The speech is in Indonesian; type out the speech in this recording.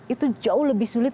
itu jauh lebih sulit